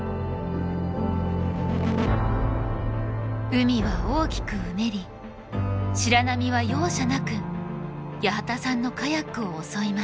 海は大きくうねり白波は容赦なく八幡さんのカヤックを襲います。